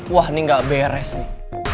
wah ini gak beres nih